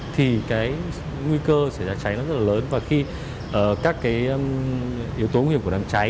thì cái nguy cơ xảy ra cháy rất là lớn và khi các cái yếu tố nguy hiểm của đám cháy